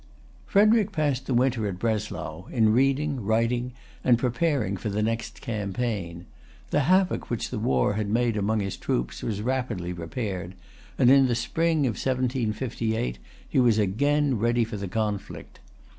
Frederic passed the winter at Breslau, in reading, writing, and preparing for the next campaign. The havoc which the war had made among his troops was rapidly repaired; and in the spring of 1758 he was again ready for the conflict.